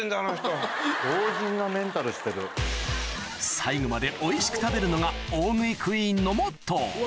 最後までおいしく食べるのが大食いクイーンのモットーうわ